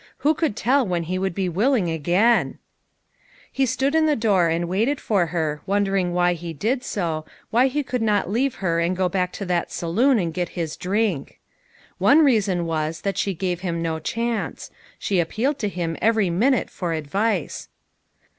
o o Who could tell when he would be willing again ? He stood in the door and waited for her, won dering why he did so, why he could not leave her and go back to that saloon and get his drink. One reason was, that she gave him no chance. She appealed to him every minute for advice.